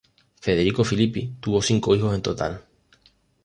Federico Philippi tuvo cinco hijos en total.